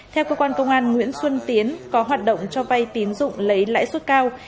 theo cơ quan công an nguyễn xuân tiến có hoạt động cho vay tín dụng lấy lãi suất cao